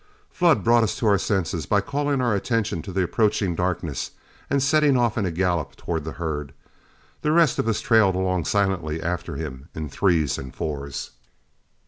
Flood brought us to our senses by calling our attention to the approaching darkness, and setting off in a gallop toward the herd. The rest of us trailed along silently after him in threes and fours.